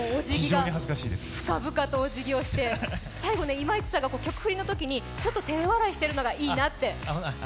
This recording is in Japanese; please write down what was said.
深々とおじぎして、最後今市さんがちょっと、てれ笑いしてるのがいいなって。